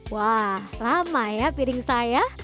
wah ramai ya piring saya